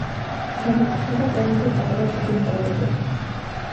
განეკუთვნება ყველაზე პატარა ძუძუმწოვრები.